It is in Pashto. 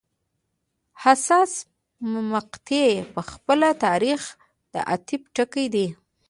حساسې مقطعې په خپله د تاریخ د عطف ټکي دي.